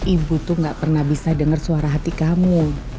ibu tuh gak pernah bisa dengar suara hati kamu